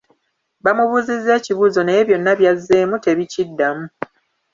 Bamubuuzizza ekibuuzo naye byonna byazzeemu tebikiddamu.